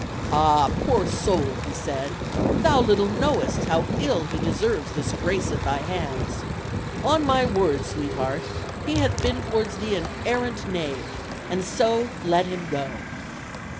"Ah, poor soul," he said, "thou little knowest how ill he deserves this grace at thy hands. On my word, sweetheart, he hath been towards thee an arrant knave, and so let him go."